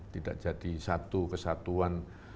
tidak jadi satu kesatuan